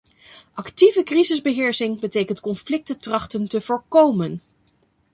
Actieve crisisbeheersing betekent conflicten trachten te voorkomen.